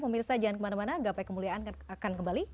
pemirsa jangan kemana mana gapai kemuliaan akan kembali